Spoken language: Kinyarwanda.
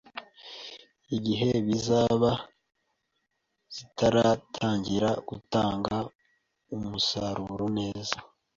igihe zizaba zitaratangira gutanga umusaruro neza